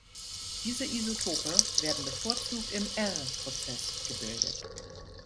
Diese Isotope werden bevorzugt im r-Prozess gebildet.